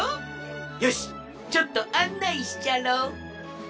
よしちょっとあんないしちゃろう。